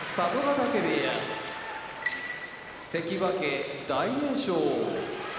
部屋関脇・大栄翔